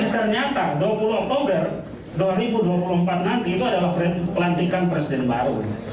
ternyata dua puluh oktober dua ribu dua puluh empat nanti itu adalah pelantikan presiden baru